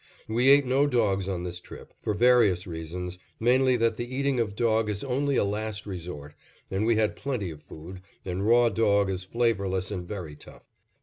We ate no dogs on this trip, for various reasons, mainly, that the eating of dog is only a last resort, and we had plenty of food, and raw dog is flavorless and very tough.